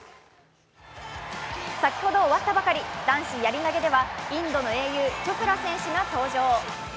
先ほど終わったばかり、男子やり投げではインドの英雄・チョプラ選手が登場。